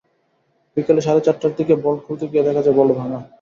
বিকেল সাড়ে চারটার দিকে ভল্ট খুলতে গিয়ে দেখা যায়, ভল্ট ভাঙা।